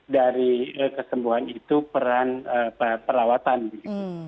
dari kesembuhan itu peran perawatan begitu